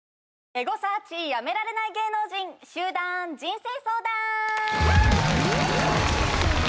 エゴサーチやめられない芸能人集団人生相談！